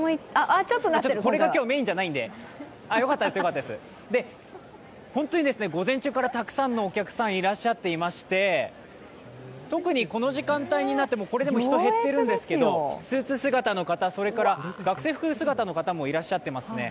これがメインじゃないのでホントに午前中からたくさんのお客さんいらっしゃっていまして特にこの時間帯になっても、これでも人が減っているんですけどスーツ姿の方、それから学生服姿の方もいらっしゃってますね。